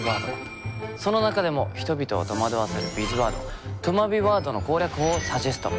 その中でも人々を戸惑わせるビズワードとまビワードの攻略法をサジェスト。